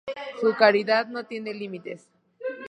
Su caridad no tiene límites.